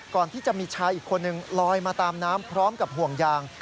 ก่อนที่จะมีชายอีกคนนึงลอยมาตามน้ำพร้อมกับห่วงยาง